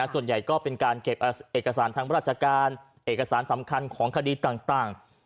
ส่วนใหญ่ก็เป็นการเก็บเอกสารทางราชการเอกสารสำคัญของคดีต่าง